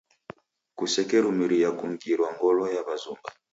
Kusekerumiria kungirwa gongolo ya w'azumba.